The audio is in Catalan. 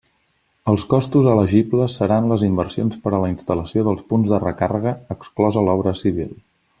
Els costos elegibles seran les inversions per a la instal·lació dels punts de recàrrega exclosa l'obra civil.